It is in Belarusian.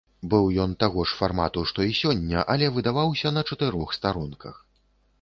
Быў ён таго ж фармату, што й сёння, але выдаваўся на чатырох старонках.